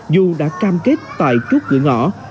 dù đã cam kết tài trúc gửi ngõ